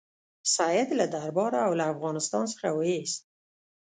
سید له درباره او له افغانستان څخه وایست.